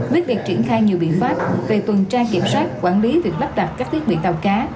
với việc triển khai nhiều biện pháp về tuần tra kiểm soát quản lý việc lắp đặt các thiết bị tàu cá